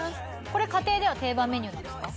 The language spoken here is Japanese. これ家庭では定番メニューなんですか？